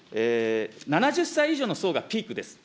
７０歳以上の層がピークです。